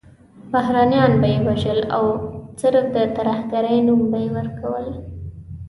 بهرنیان به یې وژل او صرف د ترهګرۍ نوم به یې ورکول.